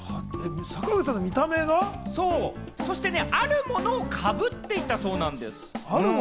そして、あるものをかぶっていたそうなんです。